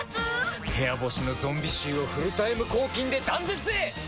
部屋干しのゾンビ臭をフルタイム抗菌で断絶へ！